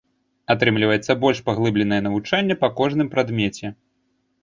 Атрымліваецца больш паглыбленае навучанне па кожным прадмеце.